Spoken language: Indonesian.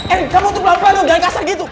erin kamu tuh pelan pelan loh jangan kasar gitu